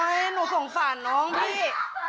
หนูสงสารน้องพี่